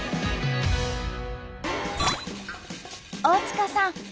大塚さん